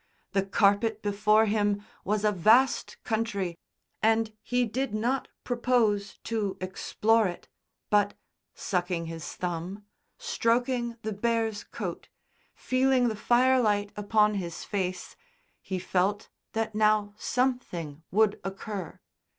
The carpet before him was a vast country and he did not propose to explore it, but sucking his thumb, stroking the bear's coat, feeling the firelight upon his face, he felt that now something would occur.